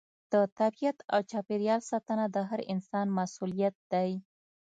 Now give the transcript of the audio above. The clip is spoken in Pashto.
د طبیعت او چاپیریال ساتنه د هر انسان مسؤلیت دی.